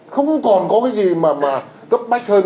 không còn có cái gì mà cấp bách hơn